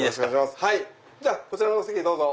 こちらのお席どうぞ。